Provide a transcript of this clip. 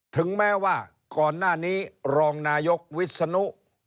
ถึงแม้ว่าก่อนหน้านี้รองนายกวิศนุ